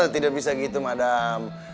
tidak bisa gitu madam